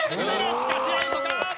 しかしアウトか。